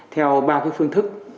theo ba phương thức